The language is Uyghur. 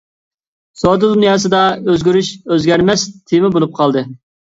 سودا دۇنياسىدا ئۆزگىرىش ئۆزگەرمەس تېما بولۇپ قالدى.